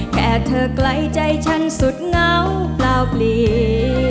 แค่เธอกลายใจช่างสุดเหงาเปล่าเปลี่ยน